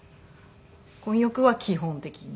混浴は基本的に。